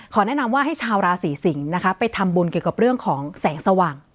แนะนำว่าให้ชาวราศีสิงศ์นะคะไปทำบุญเกี่ยวกับเรื่องของแสงสว่าง